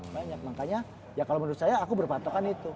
banyak makanya ya kalo menurut saya aku berpatokan itu